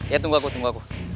ya tunggu aku tunggu aku